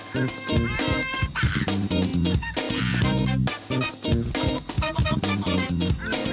โปรดติดตามตอนต่อไป